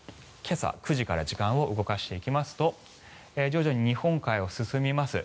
今朝９時から時間を動かしていきますと徐々に日本海を進みます。